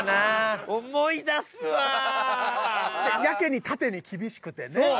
やけに縦に厳しくてね。